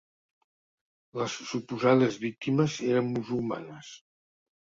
Les suposades víctimes eren musulmanes.